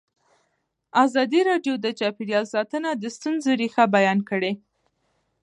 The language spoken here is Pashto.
ازادي راډیو د چاپیریال ساتنه د ستونزو رېښه بیان کړې.